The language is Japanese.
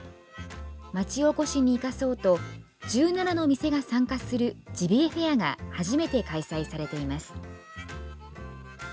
町おこしに生かそうと１７の店が参加するジビエフェアが初めて開催されています。